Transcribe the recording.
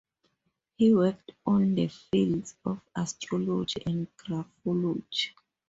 He worked on the fields of astrology and graphology.